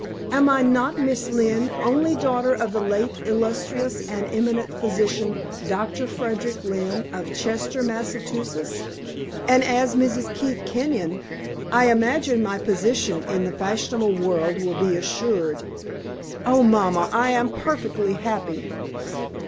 Am I not Miss Lynne, only daughter of the late illustrious and eminent physician, Doctor Frederick Lynne, of Chester, Massachusetts? And as Mrs. Keith Kenyon, I imagine my position in the fashionable world will be assured. Oh, mamma, I am perfectly happy!"